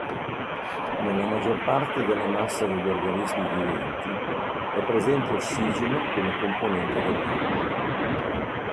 Nella maggior parte della massa degli organismi viventi è presente ossigeno come componente dell'acqua.